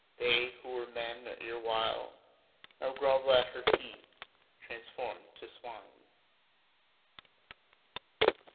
They who were men erewhile Now grovel at her feet, transformed to swine.